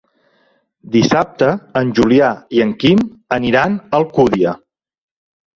Dissabte en Julià i en Quim aniran a Alcúdia.